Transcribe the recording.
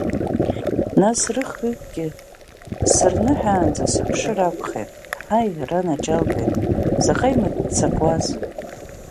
Нас рыхҩыкгьы сырныҳәаанӡа сыԥшыр акәхеит ҳаи, ранаџьалбеит, заҟа имыццакуаз!